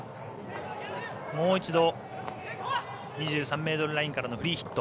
もう一度、２３ｍラインからのフリーヒット。